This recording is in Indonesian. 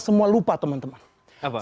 semua lupa teman teman